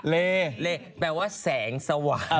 เลเลแปลว่าแสงสว่าง